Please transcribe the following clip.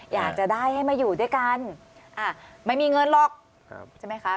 อยากจะได้ให้มาอยู่ด้วยกันไม่มีเงินหรอกใช่ไหมคะ